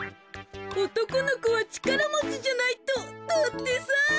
「おとこのこはちからもちじゃないと」だってさ。